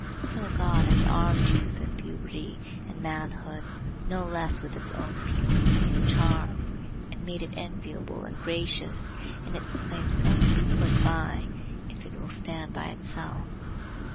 So God has armed youth and puberty and manhood no less with its own piquancy and charm, and made it enviable and gracious and its claims not to be put by, if it will stand by itself.